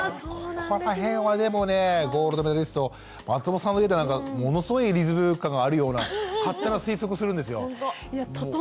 ここら辺はでもねえゴールドメダリストの松本さんの家ではものすごいリズム感があるような勝手な推測するんですよ。